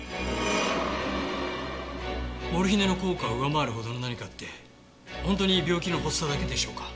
モルヒネの効果を上回るほどの何かって本当に病気の発作だけでしょうか？